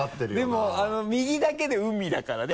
でも右だけで「うみ」だからね